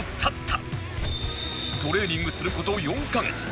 トレーニングする事４カ月